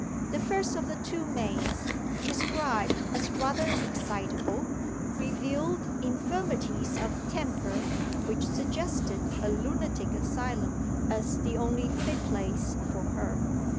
The first of the two maids, described as "rather excitable," revealed infirmities of temper which suggested a lunatic asylum as the only fit place for her.